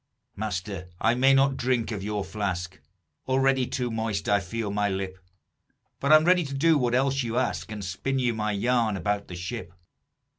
"Master, I may not drink of your flask, Already too moist I feel my lip; But I'm ready to do what else you ask, And spin you my yarn about the ship.